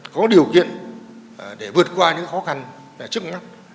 có điều kiện để vượt qua những khó khăn trức ngắt